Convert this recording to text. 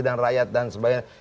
dengan rakyat dan sebagainya